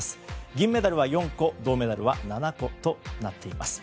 銀メダルは４個銅メダルは７個となっています。